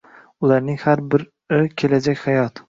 Ularning har biri kelajak hayot.